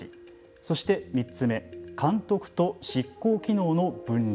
そして、３つ目監督と執行機能の分離。